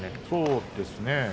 そうですね。